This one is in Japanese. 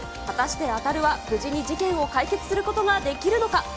果たしてアタルは無事に事件を解決することができるのか。